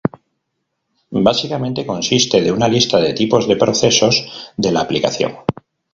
Básicamente, consiste de una lista de tipos de procesos de la aplicación.